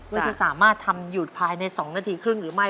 โมสามารถทำหยุดภายในสองนาทีครึ่งหรือไม่